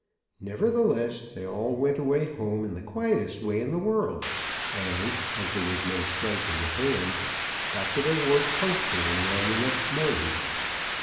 Nevertheless they all went away home in the quietest way in the world, and, as there was no strike in hand, got to their work punctually on the next morning.